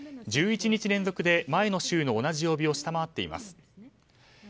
１１日連続で前の週の同じ曜日を下回っています。